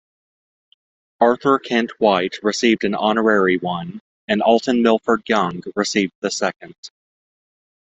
Arthur Kent White received an honorary one; and Alton Milford Young received the second.